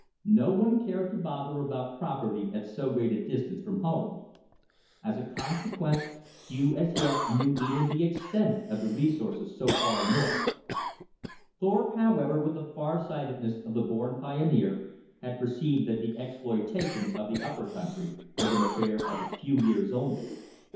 No one cared to bother about property at so great a distance from home. As a consequence, few as yet knew even the extent of the resources so far north. Thorpe, however, with the far sightedness of the born pioneer, had perceived that the exploitation of the upper country was an affair of a few years only.